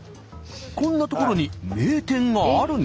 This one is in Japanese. こんな所に名店があるの？